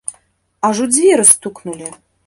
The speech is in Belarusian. Аж у дзверы стукнулі.